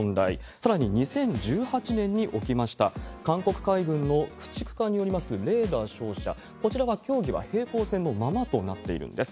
さらに２０１８年に起きました、韓国海軍の駆逐艦によりますレーダー照射、こちらは協議は平行線のままとなっているんです。